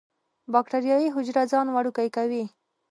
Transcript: باکټریايي حجره ځان وړوکی کوي.